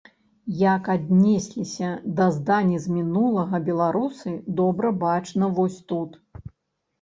Як аднесліся да здані з мінулага беларусы, добра бачна вось тут.